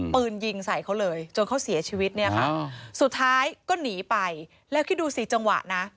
ปืนยิงใส่เขาเลยจนเขาเสียชีวิตเนี่ยค่ะสุดท้ายก็หนีไปแล้วคิดดูสิจังหวะนะ